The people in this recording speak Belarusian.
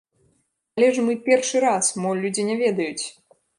Але ж мы першы раз, мо людзі не ведаюць.